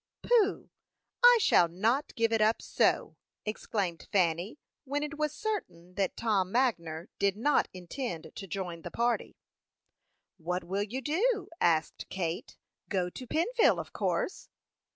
"Pooh! I shall not give it up so!" exclaimed Fanny, when it was certain that Tom Magner did not intend to join the party. "What will you do?" asked Kate. "Go to Pennville, of course."